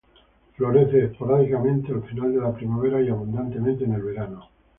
Florece esporádicamente al final de la primavera y abundantemente en el verano.